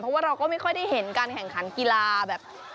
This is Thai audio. เพราะว่าเราก็ไม่ค่อยได้เห็นการแข่งขันกีฬาแบบ